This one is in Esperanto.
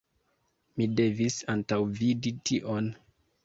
Mi devis antaŭvidi tion.